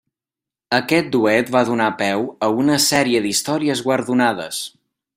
Aquest duet va donar peu a una sèrie d'històries guardonades.